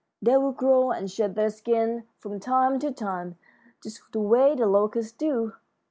They will grow and shed their skins from time to time, just the way the locusts do.